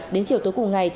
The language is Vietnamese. đến chiều tối cùng ngày